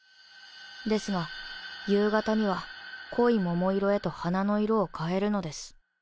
ですが夕方には濃い桃色へと花の色を変えるのです。